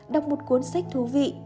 đọc một cuốn sách thú vị